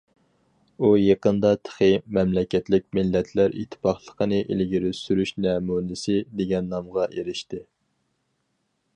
ئۇ يېقىندا تېخى‹‹ مەملىكەتلىك مىللەتلەر ئىتتىپاقلىقىنى ئىلگىرى سۈرۈش نەمۇنىسى›› دېگەن نامغا ئېرىشتى.